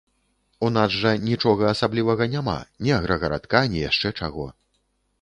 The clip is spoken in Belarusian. У нас жа нічога асаблівага няма, ні аграгарадка, ні яшчэ чаго.